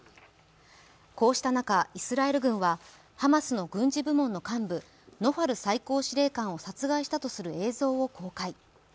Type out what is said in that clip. こうした中、イスラエル軍はハマスの軍事部門の幹部・ノファル最高司令官を殺害したとする映像を公開。